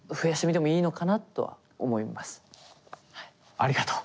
ありがとう。